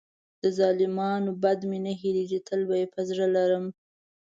د ظالمانو بد مې نه هېرېږي، تل یې په زړه لرم.